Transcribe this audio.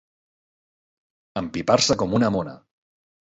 Empipar-se com una mona.